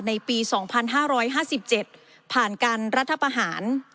ในปี๒๕๕๗ผ่านการรัฐประหาร